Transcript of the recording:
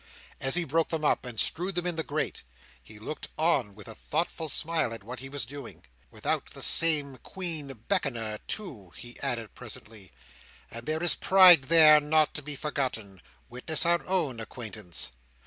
As he broke them up and strewed them in the grate, he looked on with a thoughtful smile at what he was doing. "Without the same queen beckoner too!" he added presently; "and there is pride there, not to be forgotten—witness our own acquaintance!"